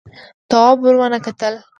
تواب ور ونه کتل.